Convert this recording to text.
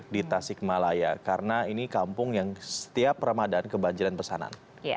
di tasikmalaya karena ini kampung yang setiap ramadhan kebanjiran pesanan